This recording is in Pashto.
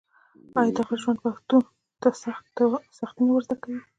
آیا د غره ژوند پښتون ته سختي نه ور زده کوي؟